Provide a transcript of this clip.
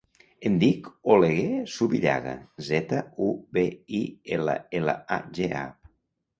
Em dic Oleguer Zubillaga: zeta, u, be, i, ela, ela, a, ge, a.